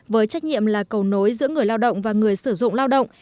với trách nhiệm là cầu nối giữa người lao động và người sử dụng lao động